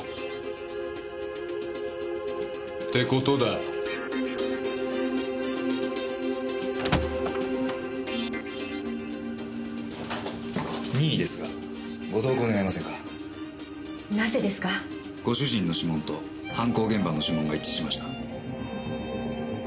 ご主人の指紋と犯行現場の指紋が一致しました。